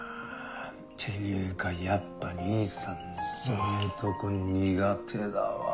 っていうかやっぱ兄さんのそういうとこ苦手だわ。